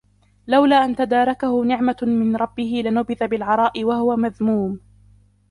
لَوْلَا أَنْ تَدَارَكَهُ نِعْمَةٌ مِنْ رَبِّهِ لَنُبِذَ بِالْعَرَاءِ وَهُوَ مَذْمُومٌ